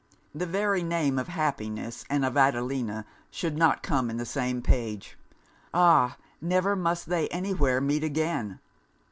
The very name of happiness and of Adelina should not come in the same page! Ah! never must they any where meet again.